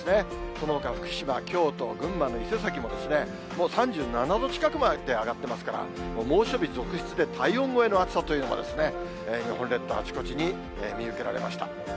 そのほか福島、京都、群馬の伊勢崎も、もう３７度近くまで上がってますから、猛暑日続出で、体温超えの暑さというかですね、日本列島、あちこちに見受けられました。